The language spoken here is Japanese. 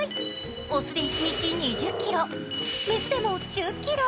雄で一日２０ｋｇ、雌でも１０ｋｇ。